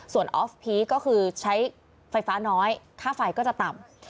ส่วนออฟพีคก็คือใช้ไฟฟ้าน้อยค่าไฟก็จะต่ำ